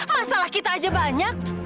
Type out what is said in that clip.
masalah kita aja banyak